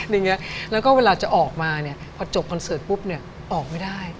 แล้วก็เวลาจะออกมาเนี่ยพอจบคอนเสิร์ตปุ๊บเนี่ยออกไม่ได้